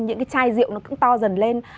những cái chai rượu nó cũng to dần lên